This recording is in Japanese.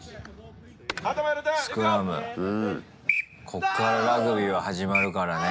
こっからラグビーは始まるからね。